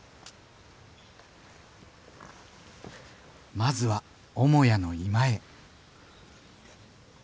まずは母屋の居間へ。